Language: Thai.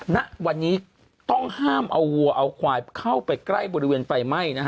ณวันนี้ต้องห้ามเอาวัวเอาควายเข้าไปใกล้บริเวณไฟไหม้นะฮะ